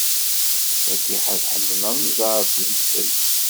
Fatiḥa tḥemmel anẓar ed wedfel.